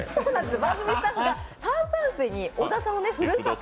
番組スタッフが炭酸水に小田さんのふるさと